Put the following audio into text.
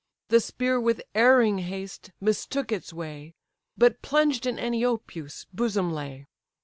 The spear with erring haste mistook its way, But plunged in Eniopeus' bosom lay.